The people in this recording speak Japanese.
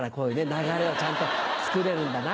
流れをちゃんと作れるんだな。